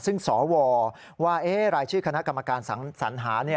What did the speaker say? ซึ่งสวว่ารายชื่อคณะกรรมการสัญหา